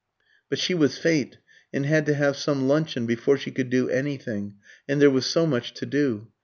But she was faint, and had to have some luncheon before she could do anything; and there was so much to do.